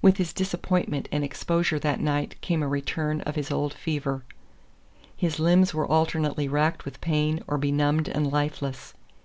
With his disappointment and exposure that night came a return of his old fever. His limbs were alternately racked with pain or benumbed and lifeless.